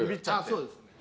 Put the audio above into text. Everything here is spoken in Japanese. そうですね